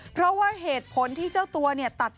เพราะว่าเหตุผลที่เจ้าตัวเนี่ยตัด